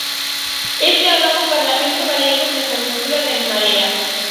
Este é o novo Parlamento galego tras a ruptura de En Marea.